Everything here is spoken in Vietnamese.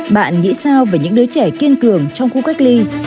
bạn nghĩ sao về những đứa trẻ kiên cường trong khu cách ly